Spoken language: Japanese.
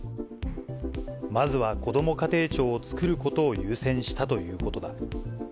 まずはこども家庭庁を作ることを優先したということだ。